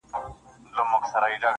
ته مي يو ځلي گلي ياد ته راوړه.